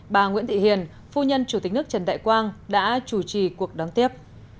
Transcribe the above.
bà nguyễn thị hiền phu nhân chủ tịch nước trần đại quang đã chủ trì cuộc đón tiếp